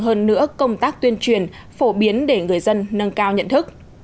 hơn nữa công tác tuyên truyền phổ biến để người dân nâng cao nhận thức